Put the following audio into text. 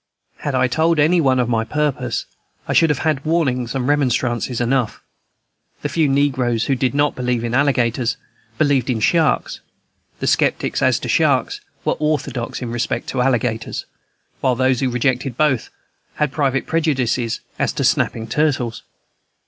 Had I told any one of my purpose, I should have had warnings and remonstrances enough. The few negroes who did not believe in alligators believed in sharks; the sceptics as to sharks were orthodox in respect to alligators; while those who rejected both had private prejudices as to snapping turtles.